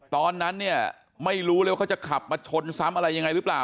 ตอนนั้นไม่รู้เลยว่ามันจะขับมาฉนส้ำอะไรหรือเปล่า